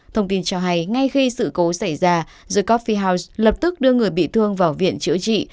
thông tin cho hay ngay khi sự cố xảy ra the corphie house lập tức đưa người bị thương vào viện chữa trị